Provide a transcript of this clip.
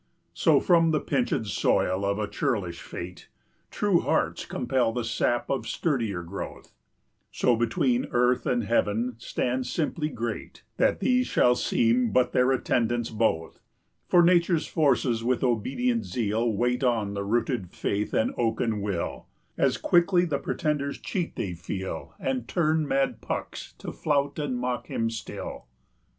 So, from the pinched soil of a churlish fate, True hearts compel the sap of sturdier growth, So between earth and heaven stand simply great, 35 That these shall seem but their attendants both; For nature's forces with obedient zeal Wait on the rooted faith and oaken will; As quickly the pretender's cheat they feel, And turn mad Pucks to flout and mock him still.